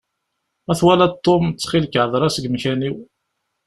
Ma twalaḍ Tom, ttxil-k, hder-as deg umkan-iw.